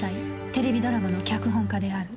テレビドラマの脚本家である